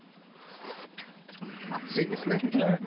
熱いですね。